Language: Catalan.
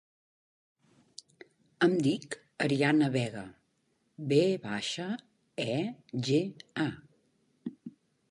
Em dic Arianna Vega: ve baixa, e, ge, a.